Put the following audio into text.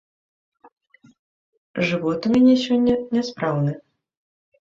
Жывот у мяне сёння няспраўны.